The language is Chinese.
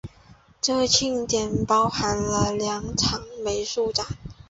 这项庆典包含了两场美术展。